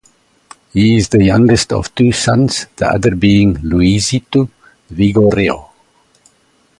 He is the youngest of two sons, the other being Luisito Vigoreaux.